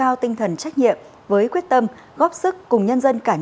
ở từng vị trí công tác